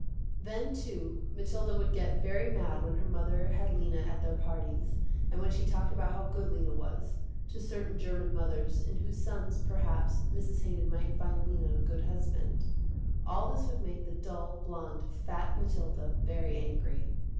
Then, too, Mathilda would get very mad when her mother had Lena at their parties, and when she talked about how good Lena was, to certain german mothers in whose sons, perhaps, Mrs. Haydon might find Lena a good husband. All this would make the dull, blonde, fat Mathilda very angry.